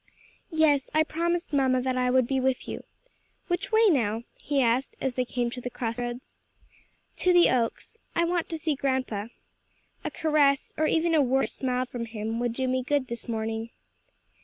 "Yes, I promised mamma that I would be with you. Which way now?" he asked, as they came to the crossroads. "To the Oaks. I want to see grandpa. A caress, or even a word or smile from him, would do me good this morning."